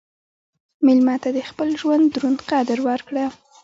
مېلمه ته د خپل ژوند دروند قدر ورکړه.